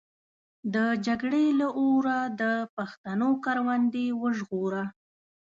د جګړې له اوره د پښتنو کروندې وژغوره.